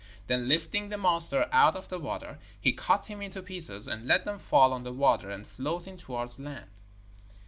Then lifting the monster out of the water he cut him into pieces and let them fall on the water, and float in towards land.